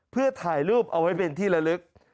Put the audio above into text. เพื่อถ่ายรูปเอาไว้เป็นที่ละลึก